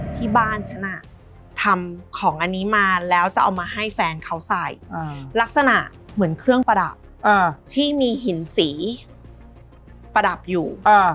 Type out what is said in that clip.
ที่บ้านฉันทำของอันนี้มาแล้วจะเอามาให้แฟนเขาใส่ลักษณะเหมือนเครื่องประดับที่มีหินสีประดับอยู่